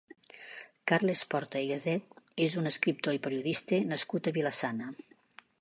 Carles Porta i Gaset és un escriptor i periodista nascut a Vila-sana.